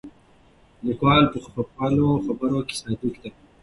لیکوال په خپلو خبرو کې صادق دی.